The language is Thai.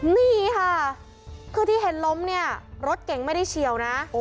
นี่ค่ะคือที่เห็นล้มเนี่ยรถเก่งไม่ได้เฉียวนะ